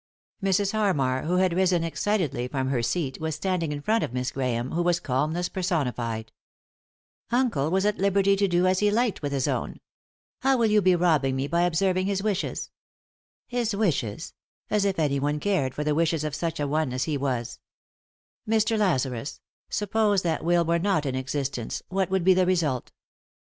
Mrs, Harmar, who had risen excitedly from her seat, was standing in front of Miss Grahame, who was calmness personified. "Uncle was at liberty to do as he liked with his 43 3i 9 iii^d by Google THE INTERRUPTED KISS own. How will you be robbing me by observing his wishes ?"" His wishes I As if anyone cared for the wishes of such an one as he was 1 Mr. Lazarus, suppose that will were not in existence, what would be the result